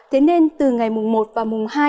thế nên từ ngày một và hai